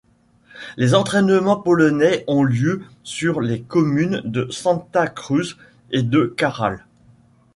Les entrainements polonais ont lieu sur les communes de Santa Cruz et de Carral.